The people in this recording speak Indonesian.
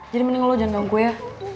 jadi mending lo jangan ganggu ya